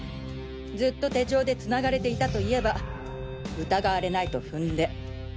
ずっと手錠で繋がれていたと言えば疑われないと踏んで。